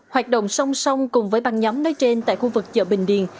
hoạt động song song cùng với băng nhóm nói trên tại khu vực chợ bình điền